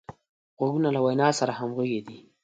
غوږونه له وینا سره همغږي دي